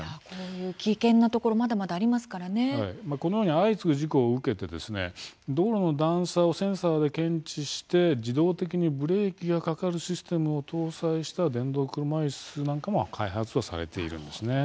危険なところはこのように相次ぐ事故を受けて道路の段差をセンサーで感知して自動的にブレーキがかかるシステムを搭載した電動車いすも開発されています。